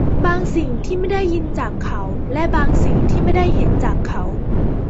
บางสิ่งที่ไม่ได้ยินจากเขา และบางสิ่งที่ไม่ได้เห็นจากเขา